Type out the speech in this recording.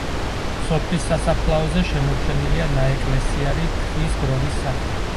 სოფლის სასაფლაოზე შემორჩენილია ნაეკლესიარი ქვის გროვის სახით.